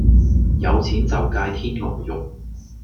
有錢就界天鵝肉